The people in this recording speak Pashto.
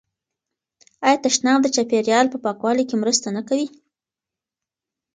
آیا تشناب د چاپیریال په پاکوالي کې مرسته نه کوي؟